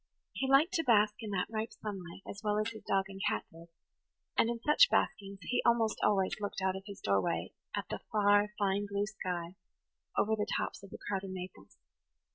He liked to bask in that ripe sunlight as well as his dog and cat did; and in such baskings he almost always looked out of his doorway at the far, fine blue sky over the tops of the crowding maples.